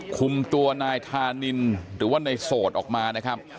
คุมตัวนายธานินหรือว่าในโสดออกมานะครับ